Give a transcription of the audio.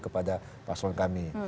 kepada paslon kami